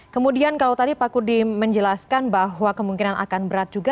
kemudian kalau tadi pak kudi menjelaskan bahwa kemungkinan akan berat juga